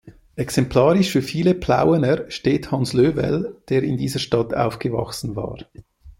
Exemplarisch für viele Plauener steht Hans Löwel, der in dieser Stadt aufgewachsen war.